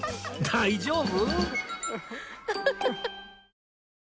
大丈夫？